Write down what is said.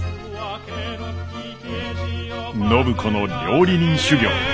暢子の料理人修業